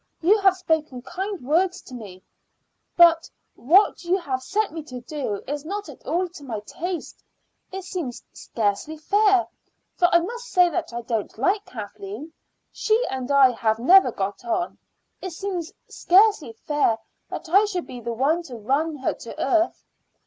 "You have spoken kind words to me; but what you have set me to do is not at all to my taste. It seems scarcely fair, for I must say that I don't like Kathleen. She and I have never got on. It seems scarcely fair that I should be the one to run her to earth."